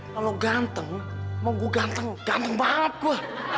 kalau ganteng mau gue ganteng ganteng banget gue